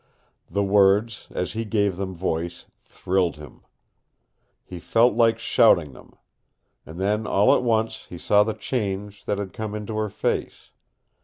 The words, as he gave them voice, thrilled him. He felt like shouting them. And then all at once he saw the change that had come into her face.